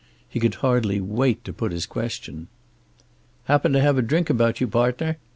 He could hardly wait to put his question. "Happen to have a drink about you, partner?"